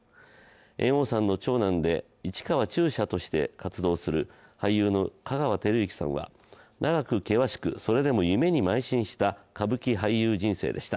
猿翁さんの長男で市川中車として活動する俳優の香川照之さんは長く険しくそれでも夢に邁進した歌舞伎人生でした。